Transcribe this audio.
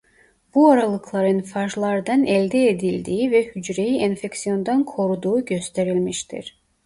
Bu aralıkların fajlardan elde edildiği ve hücreyi enfeksiyondan koruduğu gösterilmiştir.